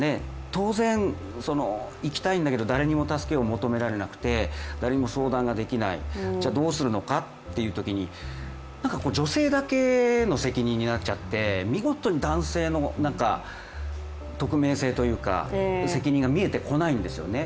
当然、生きたいんだけど誰にも助けを求められなくて誰にも相談ができない、じゃ、どうするのかというときに、何か女性だけの責任になっちゃって見事に男性の匿名性というか責任が見えてこないんですよね。